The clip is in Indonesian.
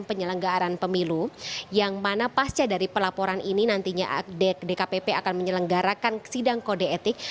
penyelenggaran pemilu yang mana pasca dari pelaporan ini nantinya dkpp akan menyelenggarakan sidang kode etik